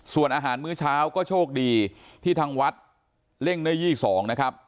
ส่วนอาหารมื้อเช้าก็โชคดีที่ทางวัดเร่งได้๒๒นะครับ